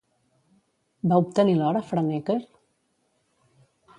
Va obtenir l'or a Franeker?